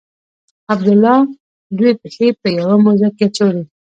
عبدالله دوې پښې په یوه موزه کې اچولي.